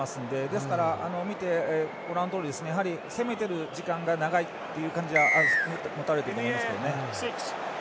ですから、ご覧のとおり攻めている時間が長い印象を持たれていると思いますね。